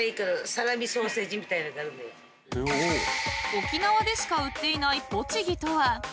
［沖縄でしか売っていないポチギとは？］